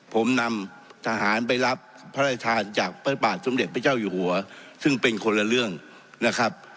ผมนำทหารไปรับพระราชทานจากพระบาทสมเด็จพระเจ้าอยู่หัวซึ่งเป็นคนละเรื่องนะครับ